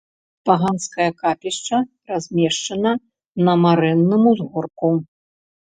Паганскае капішча размешчана на марэнным узгорку.